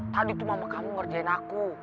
tadi tuh mama kamu ngerjain aku